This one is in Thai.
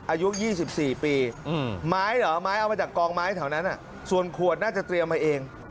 อายุ๒๔ปีไม้เหรอไม้เอามาจากกองไม้แถวนั้นส่วนขวดน่าจะเตรียมมาเอง